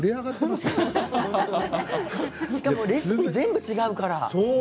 しかもレシピが全部違うから。